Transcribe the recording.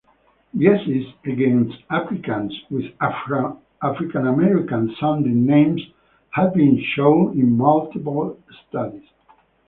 Biases against applicants with African American sounding names have been shown in multiple studies.